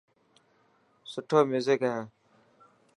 سٺو ميوزڪ هي.